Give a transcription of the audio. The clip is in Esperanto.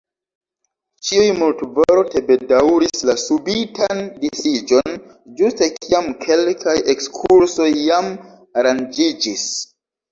Ĉiuj multvorte bedaŭris la subitan disiĝon, ĝuste kiam kelkaj ekskursoj jam aranĝiĝis.